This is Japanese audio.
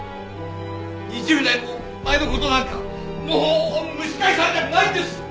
２０年も前の事なんかもう蒸し返されたくないんです！